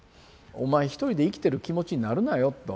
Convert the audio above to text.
お前一人で生きてる気持ちになるなよと。